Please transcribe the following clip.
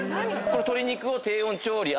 これ鶏肉を低温調理